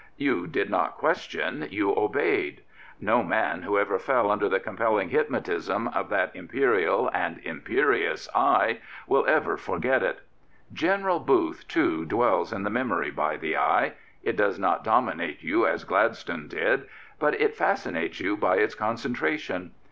You did not question: you obeyed. No man who ever fell under the compelling hypnotism of that imperial and imperious eye will ever forget it. General Booth, too, dwells in the memory by the eye. It does not dominate you as Gladstone's did; but it fascinates you by its concen tration.